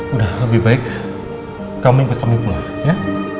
udah lebih baik kami ikut kami pulang ya